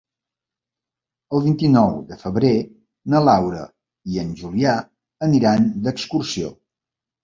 El vint-i-nou de febrer na Laura i en Julià aniran d'excursió.